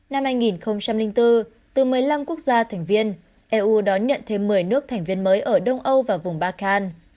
năm hai nghìn bốn từ một mươi năm quốc gia thành viên eu đón nhận thêm một mươi nước thành viên mới ở đông âu và vùng ba khan